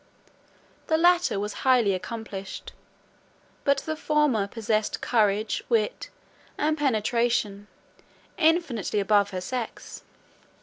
The latter was highly accomplished; but the former possessed courage, wit, and penetration, infinitely above her sex.